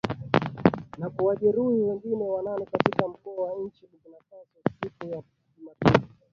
Na kuwajeruhi wengine wanane katika mkoa wa nchini Burkina Faso siku ya Jumapili.